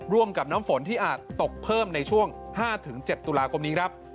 ร่วมกับน้ำฝนที่อาจตกเพิ่มในช่วง๕๗ตุลาคมนี้ครับ